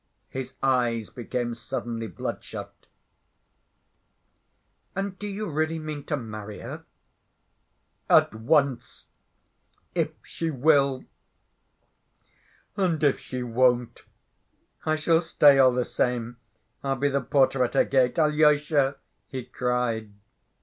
His eyes became suddenly bloodshot. "And do you really mean to marry her?" "At once, if she will. And if she won't, I shall stay all the same. I'll be the porter at her gate. Alyosha!" he cried.